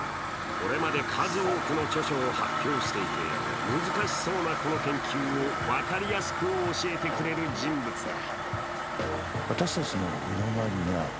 これまで数多くの著書を発表していて難しそうなこの研究を分かりやすく教えてくれる人物だ。